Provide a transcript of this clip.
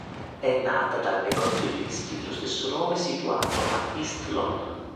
È nata dal negozio di dischi dello stesso nome situato a East London.